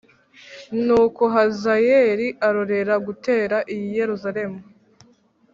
Nuko Hazayeli arorera gutera i Yerusalemu